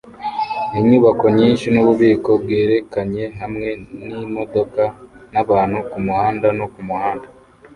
Inyubako nyinshi nububiko byerekanwe hamwe nimodoka nabantu kumuhanda no kumuhanda